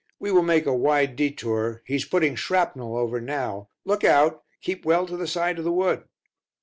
We will make a wide detour; he's putting shrapnel over now. Look out! Keep well to the side of the wood."